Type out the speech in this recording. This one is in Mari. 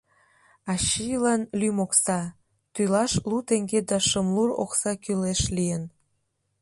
Ачийлан лӱм окса, тӱлаш лу теҥге да шымлур окса кӱлеш лийын.